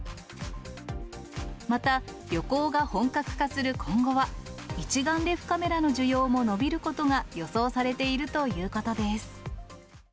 また、旅行が本格化する今後は、一眼レフカメラの需要も伸びることが予想されているということです。